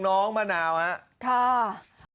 น้องมะนาวนะค่ะช่า